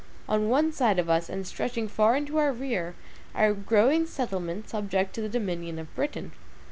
On one side of us, and stretching far into our rear, are growing settlements subject to the dominion of Britain.